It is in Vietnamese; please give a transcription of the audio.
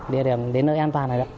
địa điểm đến nơi an toàn này ạ